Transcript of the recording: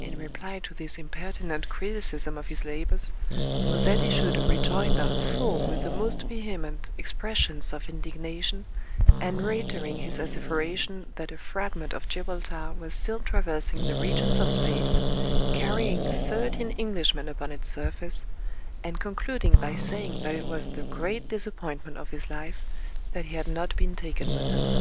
In reply to this impertinent criticism of his labors, Rosette issued a rejoinder full with the most vehement expressions of indignation, and reiterating his asseveration that a fragment of Gibraltar was still traversing the regions of space, carrying thirteen Englishmen upon its surface, and concluding by saying that it was the great disappointment of his life that he had not been taken with them.